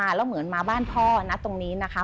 แล้วเหมือนมาบ้านพ่อนัดตรงนี้นะคะ